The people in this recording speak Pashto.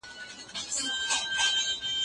سياسي شرايطو پر اقتصاد خپله اغيزه شيندلې وه.